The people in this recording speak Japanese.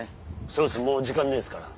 そうですもう時間ねえですから。